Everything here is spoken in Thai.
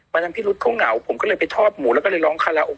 วันนั้นพี่รุษเขาเหงาผมก็เลยไปทอดหมูแล้วก็เลยร้องคาราโอ